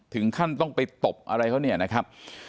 ถึงขั้นต้องไปตบอะไรเขาเนี่ยนะครับ